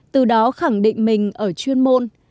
từ đó khẳng định mình ở chuyên môn